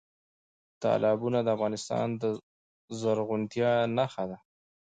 تالابونه د افغانستان د زرغونتیا نښه ده.